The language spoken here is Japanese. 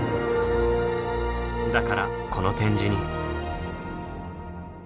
だからこの展示に。